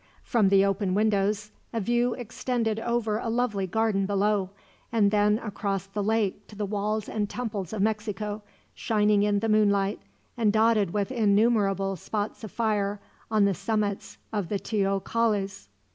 From the open windows, a view extended over a lovely garden below, and then across the lake to the walls and temples of Mexico, shining in the moonlight and dotted with innumerable spots of fire on the summits of the teocallis.